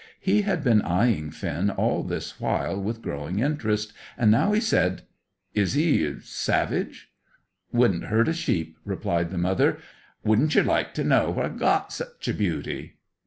He had been eyeing Finn all this while with growing interest, and now he said "Is he savage?" "Wouldn't hurt a sheep," replied the mother. "Wouldn't yer like to know where I got such a beauty?"